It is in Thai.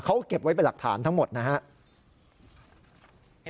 เขาเก็บไว้เป็นหลักฐานทั้งหมดนะฮะ